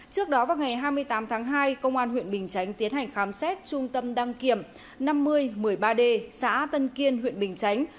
trước đó vào ngày hai mươi tám tháng hai công an huyện bình chánh tiến hành khám xét trung tâm đăng kiểm năm mươi một mươi ba d xã tân kiên huyện bình chánh